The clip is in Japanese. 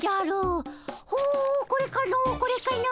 ほうこれかのこれかの。